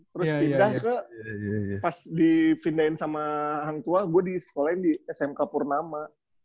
terus pindah ke pas di pindahin sama hang tua gue disekolahin di smk purnama